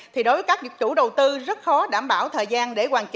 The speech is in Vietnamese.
thì đối với các chủ đầu tư rất khó đảm bảo thời gian